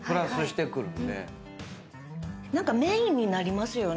何かメインになりますよね